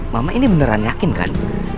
mama ini beneran yakin kan